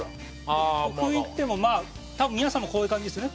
拭いてもまあ多分皆さんもこういう感じですね。